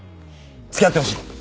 付き合ってほしい！